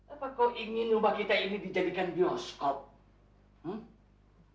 apa kau ingin rumah kita ini dijadikan bioskop